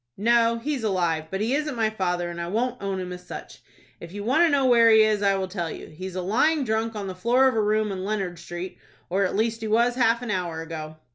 "No, he's alive, but he isn't my father, and I won't own him as such. If you want to know where he is, I will tell you. He is lying drunk on the floor of a room on Leonard Street, or at least he was half an hour ago."